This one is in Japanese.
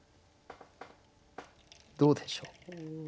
どうでしょう？